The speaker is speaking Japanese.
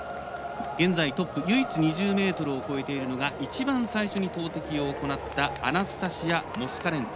現在トップ唯一２０ｍを超えているのが一番最初に投てきを行ったアナスタシア・モスカレンコ。